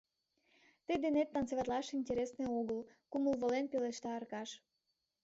— Тый денет танцеватлаш интересне огыл! — кумыл волен пелешта Аркаш.